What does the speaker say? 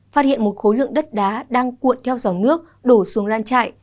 phát hiện một khối lượng đất đá đang cuộn theo dòng nước đổ xuống lán trại